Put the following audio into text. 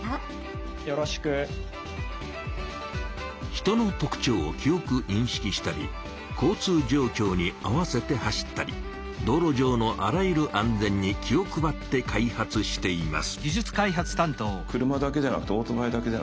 人の特ちょうを記おくにんしきしたり交通じょうきょうに合わせて走ったり道路上のあらゆる安全に気を配って開発しています。